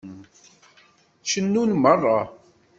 Cennun meṛṛa.